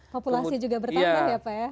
populasi juga bertambah ya pak ya